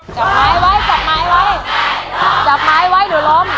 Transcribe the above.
จับไม้ไว้จับไม้ไว้จับไม้ไว้เดี๋ยวล้ม